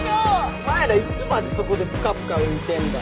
お前らいつまでそこでぷかぷか浮いてんだよ。